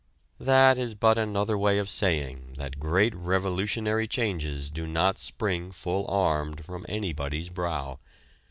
That is but another way of saying that great revolutionary changes do not spring full armed from anybody's brow.